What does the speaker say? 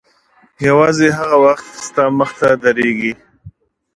یوازې هغه وخت ستا مخته درېږي.